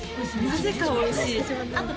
なぜかおいしいあと